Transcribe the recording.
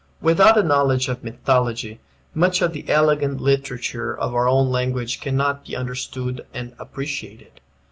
Without a knowledge of mythology much of the elegant literature of our own language cannot be understood and appreciated.